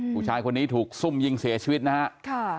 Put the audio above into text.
ผู้ชายคนนี้ถูกซุ่มยิงเสียชีวิตนะฮะ